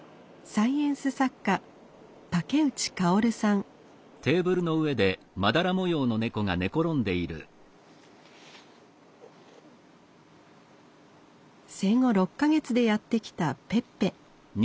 ・サイエンス作家生後６か月でやって来た